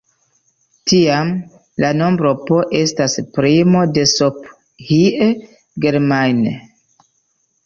Tiam, la nombro "p" estas primo de Sophie Germain.